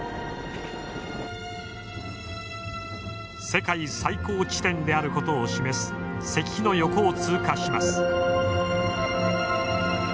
世界最高地点であることを示す石碑の横を通過します。